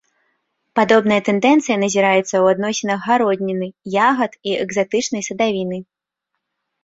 Падобная тэндэнцыя назіраецца ў адносінах гародніны, ягад і экзатычнай садавіны.